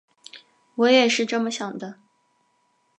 我也是这么想的